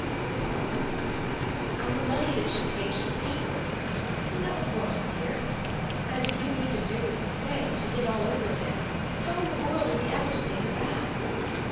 "Living on them?" "On the money that she paid you to paint them. Isn't that what brought us here? And if you mean to do as you say to begin all over again how in the world are we ever to pay her back?"